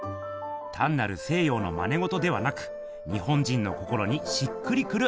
たんなる西ようのまねごとではなく日本人の心にしっくりくる油絵！